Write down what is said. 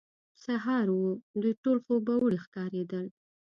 سهار وو، دوی ټول خوبوړي ښکارېدل.